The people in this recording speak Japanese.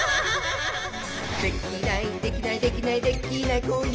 「できないできないできないできない子いないか？」